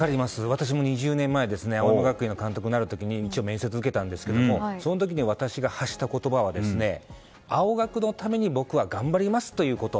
私も２０年前青学の監督になる時に面接を受けたんですけれどもその時に私が発した言葉は青学のために僕は頑張りますということ。